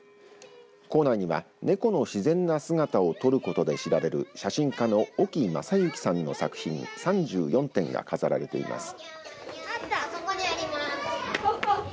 校内にはネコの自然な姿を撮ることで知られる写真家の沖昌之さんの作品３４点が飾られています。